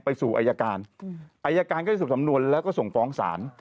สู่อายการอายการก็จะสรุปสำนวนแล้วก็ส่งฟ้องศาล